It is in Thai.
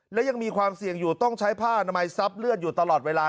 และยังมีความเสี่ยงอยู่ต้องใช้ผ้าอนามัยซับเลือดอยู่ตลอดเวลา